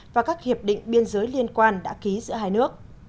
và các hiệp định biên giới liên quan đã ký giữa hai nước